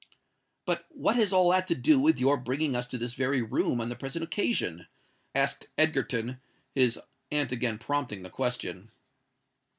"But what has all that to do with your bringing us to this very room on the present occasion?" asked Egerton, his aunt again prompting the question.